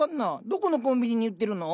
どこのコンビニに売ってるの？